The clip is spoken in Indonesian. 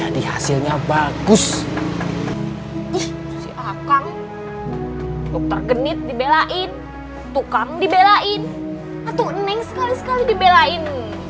tukang untuk tergenit dibelain tukang dibelain atuk neng sekali sekali dibelain